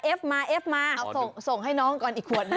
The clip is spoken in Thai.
เอฟแม่วสามารถใส่ได้เอฟจะใส่เป็นโอโฟไซด์ค่ะแม่